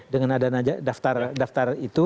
dengan ada daftar itu